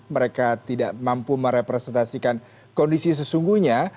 mereka tidak mampu merepresentasikan kondisi sesungguhnya